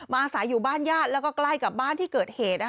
อาศัยอยู่บ้านญาติแล้วก็ใกล้กับบ้านที่เกิดเหตุ